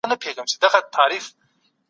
رحمان بابا د صوفۍ په لاره سخت کار کاوه.